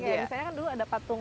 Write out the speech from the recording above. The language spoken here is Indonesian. kayak misalnya kan dulu ada patung